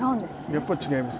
やっぱり違います。